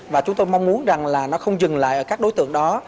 và chúng tôi mong muốn rằng là nó không dừng lại ở các đối tượng đó